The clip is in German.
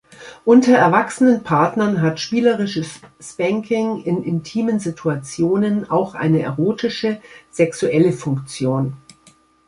Unter erwachsenen Partnern hat spielerisches Spanking in intimen Situationen auch eine erotische, sexuelle Funktion.